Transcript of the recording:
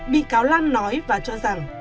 bị cáo lan nói và cho rằng